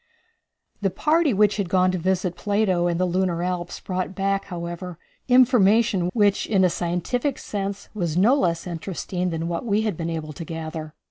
The party which had gone to visit Plato and the lunar Alps brought back, however, information which, in a scientific sense, was no less interesting than what we had been able to gather.